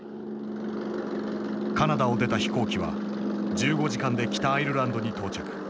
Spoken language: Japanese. カナダを出た飛行機は１５時間で北アイルランドに到着。